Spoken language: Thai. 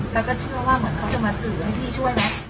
แล้วก็เชื่อว่าเหมือนเขาจะมาสื่อให้พี่ช่วยไหม